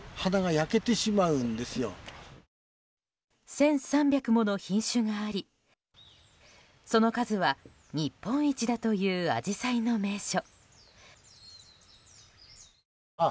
１３００もの品種がありその数は日本一だというアジサイの名所。